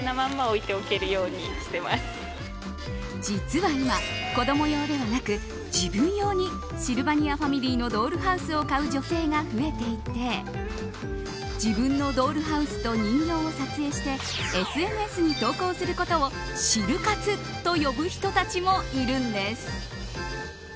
実は今、子ども用ではなく自分用にシルバニアファミリーのドールハウスを買う女性が増えていて自分のドールハウスと人形を撮影してＳＮＳに投稿することをシル活と呼ぶ人たちもいるんです。